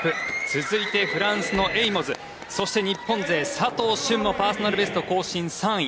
続いてフランスのエイモズそして日本勢佐藤駿もパーソナルベスト更新３位。